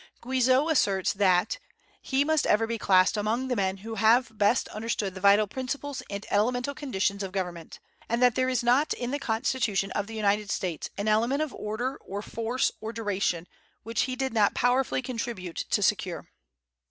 Guizot asserts that "he must ever be classed among the men who have best understood the vital principles and elemental conditions of government; and that there is not in the Constitution of the United States an element of order, or force, or duration which he did not powerfully contribute to secure."